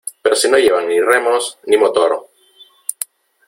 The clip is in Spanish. ¡ pero si no llevan ni remos , ni motor !